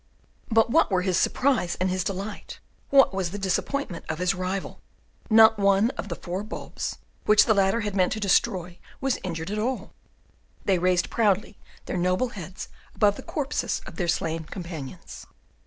But what were his surprise and his delight! what was the disappointment of his rival! Not one of the four tulips which the latter had meant to destroy was injured at all. They raised proudly their noble heads above the corpses of their slain companions.